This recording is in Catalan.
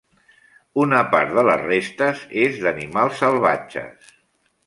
Una part de les restes és d'animals salvatges.